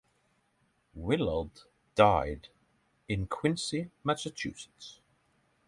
Willard died in Quincy, Massachusetts.